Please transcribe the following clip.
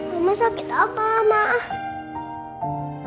rumah sakit apa mama